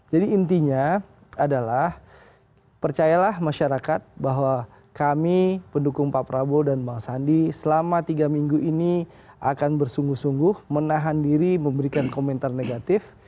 jadi intinya adalah percayalah masyarakat bahwa kami pendukung pak prabowo dan bang sandi selama tiga minggu ini akan bersungguh sungguh menahan diri memberikan komentar negatif